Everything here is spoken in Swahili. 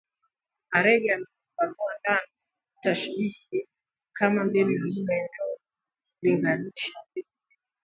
Arege anafafanua dhana tashbihi kama mbinu ya lugha inayolinganisha vitu viwili